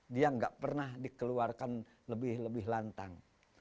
dia nggak pernah dikeluarkan lebih lebih lantang